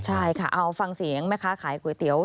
ใช่ค่ะเอาฟังเสียงแม่ค้าขายก๋วยเตี๋ยว